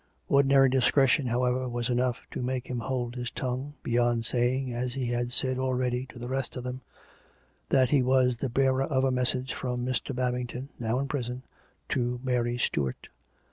Ordi nary discretion, however, was enough to make him hold his tongue, beyond saying, as he had said already to the rest of them, that he was the bearer of a message from Mr. Babington, now in prison, to Mary Stuart.